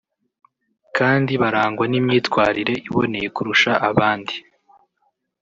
kandi barangwa n’imyitwarire iboneye kurusha abandi